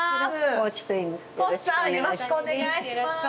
幸地さん、よろしくお願いします。